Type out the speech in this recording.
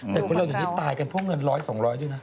แต่คนเราอยู่นี่ตายกันพวกเงิน๑๐๐๒๐๐ด้วยนะ